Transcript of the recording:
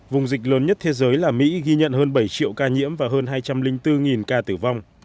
vùng dịch lớn nhất thế giới là mỹ ghi nhận hơn bảy triệu ca nhiễm và hơn hai trăm linh bốn ca tử vong